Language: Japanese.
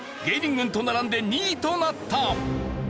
芸人軍と並んで２位となった。